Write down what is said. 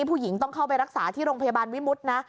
ผู้หญิงต้องเข้าไปรักษาที่โรงพยาบาลวิมุตินะ